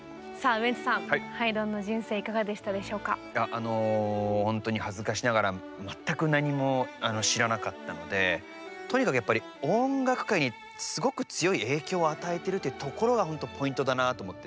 あの本当に恥ずかしながら全く何も知らなかったのでとにかくやっぱり音楽界にすごく強い影響を与えてるっていうところが本当ポイントだなと思って。